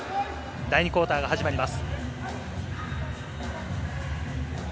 第２クオーターが始まります。